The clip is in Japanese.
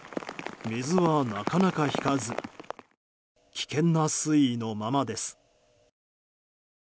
水は、なかなか引かず危険な水位のままです。